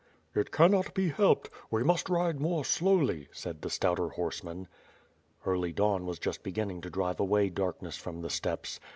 "It cannot be helped. We must ride more slowly," said the stouter horseman. Early dawn was just beginning to drive away darkness from the steppes.